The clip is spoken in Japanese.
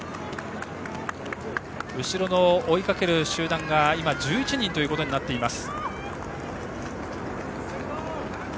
後ろの追いかける集団が今、１１人となっています。